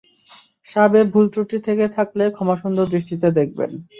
সাবে ভুল-ত্রুটি থেকে থাকলে ক্ষমাসুন্দর দৃষ্টিতে দেখবেন।